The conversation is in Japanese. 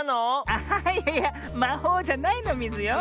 あいやいやまほうじゃないのミズよ。